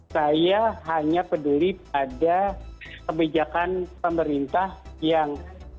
saya hanya peduli pada kebijakan pemerintah yang